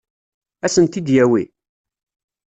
Ad sen-t-id-yawi?